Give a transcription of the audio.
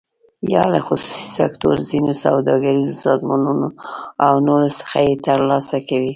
یا له خصوصي سکتور، ځینو سوداګریزو سازمانونو او نورو څخه یې تر لاسه کوي.